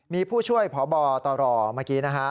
มีผู้ช่วยพบตรเมื่อกี้นะฮะ